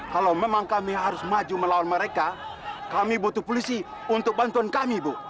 kalau memang kami harus maju melawan mereka kami butuh polisi untuk bantuan kami bu